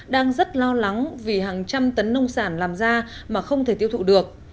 đang rất lo lắng vì hàng trăm tấn nông sản làm ra mà không thể tiêu thụ được